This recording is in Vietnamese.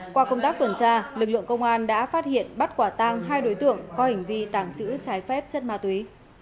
qua công tác tuần tra lực lượng công an đã phát hiện bắt quả tang hai đối tượng có hành vi tàng trữ trái phép chất ma túy